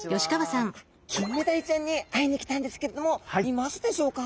キンメダイちゃんに会いに来たんですけれどもいますでしょうか？